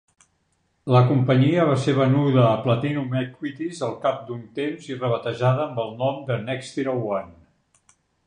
La companyia va ser venuda a Platinum Equities al cap d'un temps i rebatejada amb el nom de NextiraOne.